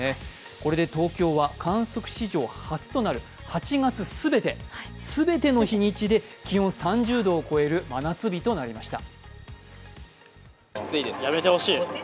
これで東京は観測史上初となる８月全ての日で気温３０度を超える真夏日となりました。